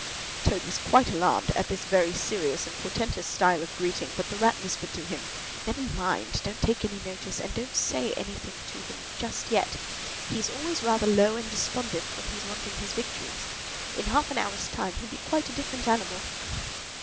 Toad was quite alarmed at this very serious and portentous style of greeting; but the Rat whispered to him, "Never mind; don't take any notice; and don't say anything to him just yet. He's always rather low and despondent when he's wanting his victuals. In half an hour's time he'll be quite a different animal."